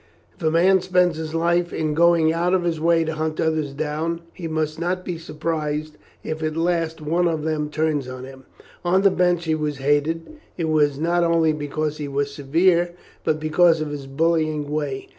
If a man spends his life in going out of his way to hunt others down, he must not be surprised if at last one of them turns on him. On the bench he was hated; it was not only because he was severe, but because of his bullying way.